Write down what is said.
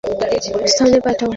সকল মেয়েদের নিরাপদ স্থানে পাঠাও।